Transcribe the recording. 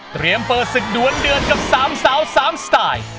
เตรียมเปิดศึกดวนเดือนกับ๓สาว๓สไตล์